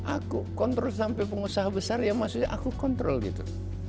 aku kontrol sampai pengusaha besar ya maksudnya aku kontrol gitu